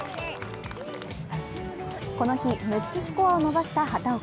この日６つスコアを伸ばした畑岡。